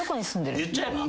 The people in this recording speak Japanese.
言っちゃえば。